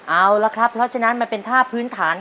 เอาละคิดว่าท่าเพื่อพื้นฐานครบ